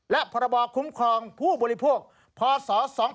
และพรบคุ้มครองผู้บริโภคพศ๒๕๖